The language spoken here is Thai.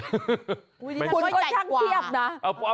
คุณก็ช่างเทียบนะ